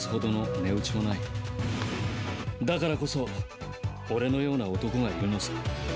だからこそ俺のような男がいるのさ。